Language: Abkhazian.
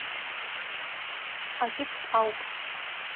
Акьыԥхь ауп.